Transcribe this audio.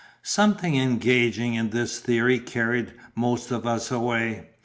Something engaging in this theory carried the most of us away.